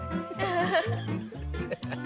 ハハハハ。